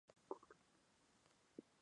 Luego se trasladaron a Barcelona.